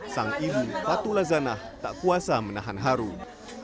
sang ibu fatula zanah tak kuasa menahan harum